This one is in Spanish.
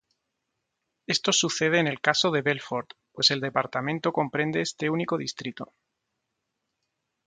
Esto sucede en el caso de Belfort, pues el departamento comprende este único distrito.